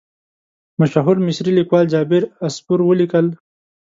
مشهور مصري لیکوال جابر عصفور ولیکل.